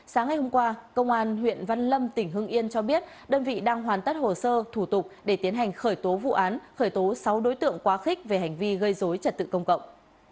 sáng ngày hôm qua công an huyện văn lâm tỉnh hưng yên cho biết đơn vị đang hoàn tất hồ sơ thủ tục để tiến hành khởi tố vụ án khởi tố sáu đối tượng quá khích về hành vi gây dối trật tự công cộng